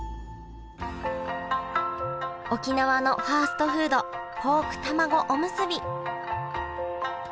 沖縄のファストフードポークたまごおむすび。